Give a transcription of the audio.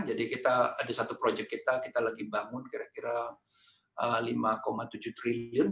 jadi kita ada satu project kita kita lagi bangun kira kira lima tujuh triliun